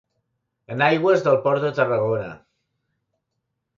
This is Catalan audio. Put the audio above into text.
En aigües del port de Tarragona.